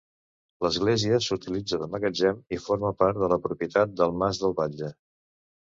L'església s'utilitza de magatzem i forma part de la propietat del mas del Batlle.